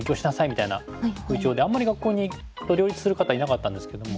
みたいな風潮であんまり学校と両立する方いなかったんですけども。